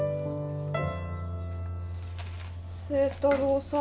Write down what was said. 星太郎さん。